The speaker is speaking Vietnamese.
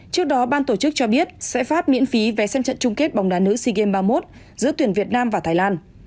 trước đó ban tổ chức cho biết sẽ phát miễn phí vé xem trận chung kết bóng đá nữ sea games ba mươi một giữa tuyển việt nam và thái lan